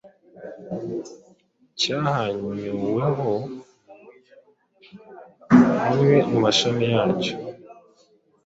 cyahwanyuweho amwe mu mashami yacyo.